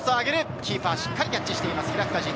キーパー、しっかりキャッチをしています。